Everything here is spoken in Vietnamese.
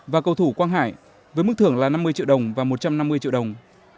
và cầu thủ quang hải với mức thưởng là năm mươi triệu đồng và một trăm năm mươi triệu đồng